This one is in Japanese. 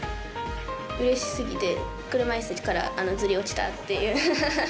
うれしすぎて車いすからずり落ちたって。